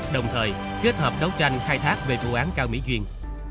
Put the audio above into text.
đồng thời kết hợp đấu tranh khai thác về vụ án cao mỹ duyên